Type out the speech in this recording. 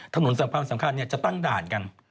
ถนนสำคัญจะตั้งด่านกัน